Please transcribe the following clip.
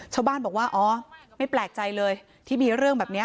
ชาวบ้านบอกว่าอ๋อไม่แปลกใจเลยที่มีเรื่องแบบนี้